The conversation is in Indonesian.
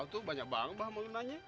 kau tuh banyak banget bah mau nanya